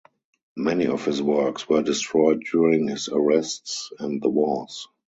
Many of his works were destroyed during his arrests and the wars.